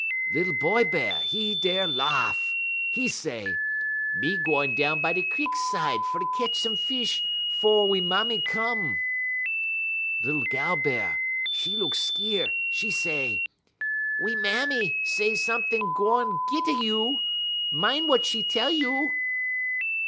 "Lil boy Bear, 'e der lahff. 'E say: "'Me gwan down by da crik side fer ketch some fish 'fo' we mammy come.' "Lil gal Bear, 'e look skeer; 'e say: "'We mammy say somet'ing gwan git a you. Min' wut 'e tell you.'